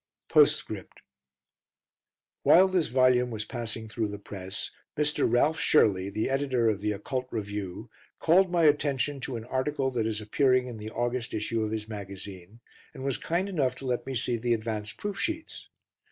Postscript While this volume was passing through the press, Mr. Ralph Shirley, the Editor of "The Occult Review" called my attention to an article that is appearing in the August issue of his magazine, and was kind enough to let me see the advance proof sheets.